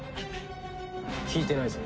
聞いてないぞ。